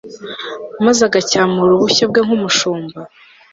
maze agacyamura ubushyo bwe nk'umushumba